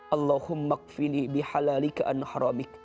allahumma qfini bihalalina